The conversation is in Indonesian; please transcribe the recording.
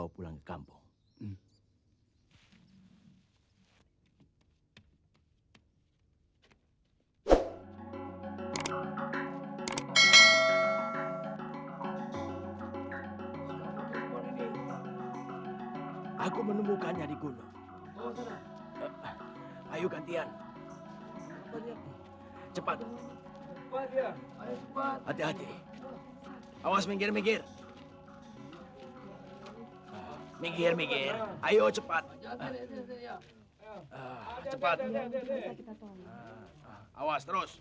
pak mohan berhati hatinya